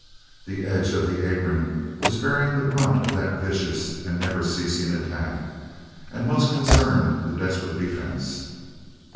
The edge of the apron was bearing the brunt of that vicious and never ceasing attack, and most concerned the desperate defense.